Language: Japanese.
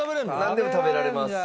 なんでも食べられます。